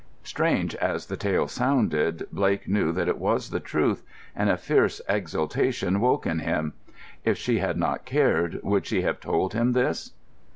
'" Strange as the tale sounded, Blake knew that it was the truth, and a fierce exultation woke in him. If she had not cared, would she have told him this?